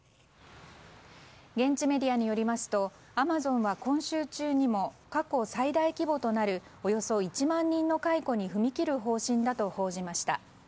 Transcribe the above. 現地メディアによりますとアマゾンは今週中にも過去最大規模となるおよそ１万人の解雇に踏み切る方針だと報じました。